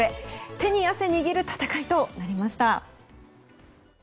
手に汗握る戦いとなりました。